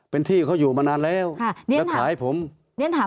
เป็นที่เขาอยู่มานานแล้วค่ะนี่แล้วขายผมเรียนถาม